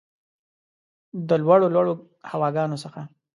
د لوړو ، لوړو هواګانو څخه